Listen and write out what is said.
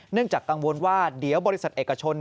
จากกังวลว่าเดี๋ยวบริษัทเอกชน